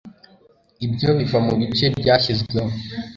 Ibyo biva mubice byashyizweho